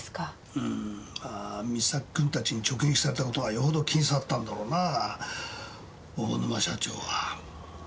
うーん三崎君たちに直撃された事がよほど気に障ったんだろうな大沼社長は。